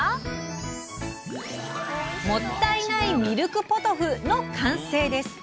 もったいないミルクポトフの完成です！